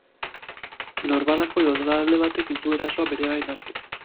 Norbanako edo talde batek ez du erasoa beregain hartu.